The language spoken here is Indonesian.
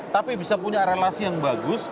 tapi bisa punya relasi yang bagus